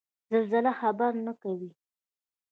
زلزله خبر نه کوي